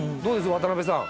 渡辺さん